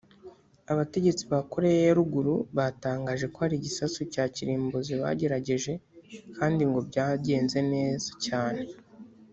abategetsi ba Koreya ya Ruguru batangaje ko hari igisasu cya kirimbuzi bagerageje kandi ngo byagenze neza cyane